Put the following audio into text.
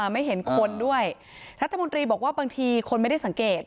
ไม่เห็นคนด้วยรัฐมนตรีบอกว่าบางทีคนไม่ได้สังเกต